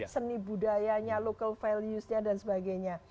seni budayanya local valuesnya dan sebagainya